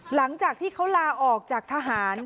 หลังจากที่เขาลาออกจากทหาร